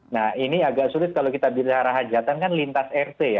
nah ini agak sulit kalau kita bicara hajatan kan lintas rt ya